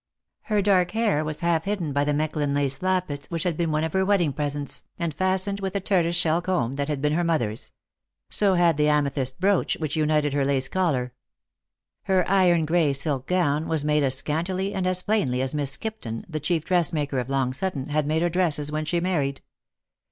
Her dark hair was half hidden by the Mechlin lace lappets which had been one of her wedding presents, and fastened with a tortoisesheE comb that had been her mother's. So had the 34 Lost for Love. amethyst brooch which united her lace collar. Her iron gray silk gown was made as scantily and as plainly as Miss Skipton, the chief dressmaker of Long Sutton, had made her dresses when she married.